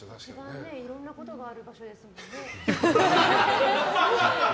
一番いろんなことがある場所ですもんね。